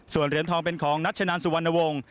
ส่วนเหรียญทองเป็นของนัชนานสุวรรณวงศ์